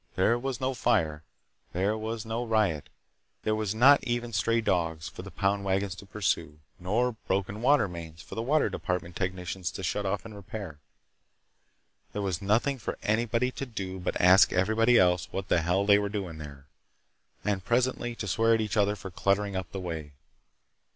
There was no fire. There was no riot. There were not even stray dogs for the pound wagons to pursue, nor broken water mains for the water department technicians to shut off and repair. There was nothing for anybody to do but ask everybody else what the hell they were doing there, and presently to swear at each other for cluttering up the way.